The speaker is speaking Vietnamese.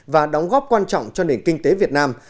và đóng góp quan trọng cho nền kinh tế việt nam